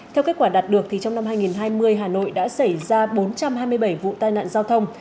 theo kết quả đạt được trong năm hai nghìn hai mươi hà nội đã xảy ra bốn trăm hai mươi bảy vụ tai nạn giao thông